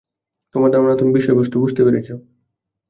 তোমার ধারণা তুমি বিষয়বস্তু বুঝতে পেরেছ?